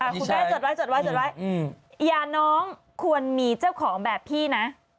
คุณแกจดไว้อย่าน้องควรมีเจ้าของแบบพี่นะ